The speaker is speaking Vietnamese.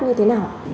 như thế nào